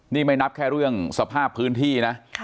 นี่ไม่นับแค่เรื่องสภาพพื้นที่นะ